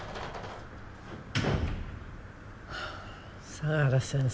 相良先生。